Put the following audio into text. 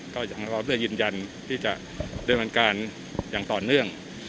ก็ยังหวังว่าเรายืนยันที่จะเรียนวันการอย่างต่อเนื่อง